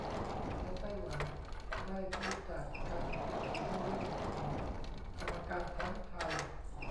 และไต้หวันได้ที่ จากการตัดสินร่วมของกรรมการทั้งไทย